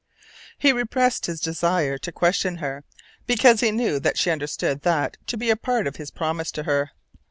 He repressed his desire to question her, because he knew that she understood that to be a part of his promise to her.